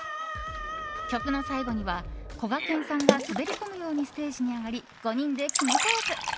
曲の最後にはこがけんさんが滑り込むようにステージに上がり５人で決めポーズ。